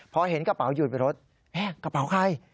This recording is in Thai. พอเห็นกระเป๋าหยุดไปรถกระเป๋าใคร